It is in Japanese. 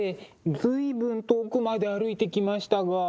随分遠くまで歩いてきましたが。